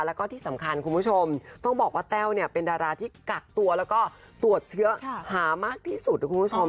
แล้วก็ที่สำคัญคุณผู้ชมต้องบอกว่าแต้วเนี่ยเป็นดาราที่กักตัวแล้วก็ตรวจเชื้อหามากที่สุดนะคุณผู้ชม